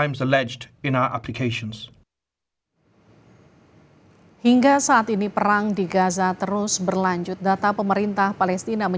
penerbangan penyakit dan penyakit lain yang diperkutuk dalam aplikasi kami